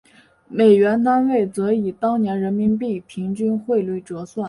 美元单位则以当年人民币平均汇率折算。